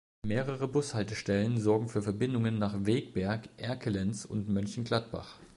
Mehrere Bushaltestellen sorgen für Verbindungen nach Wegberg, Erkelenz und Mönchengladbach.